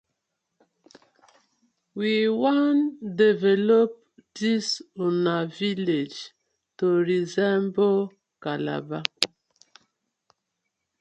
We wan develop dis una villag to resemble Calabar.